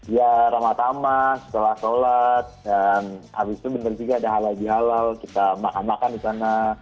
ya ramadan setelah sholat dan habis itu benar juga ada halal bihalal kita makan makan di sana